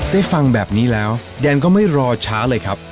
ฟังแบบนี้แล้วแดนก็ไม่รอช้าเลยครับ